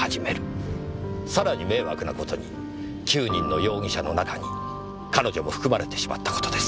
さらに迷惑な事に９人の容疑者の中に彼女も含まれてしまった事です。